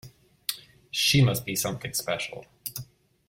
She must be something special.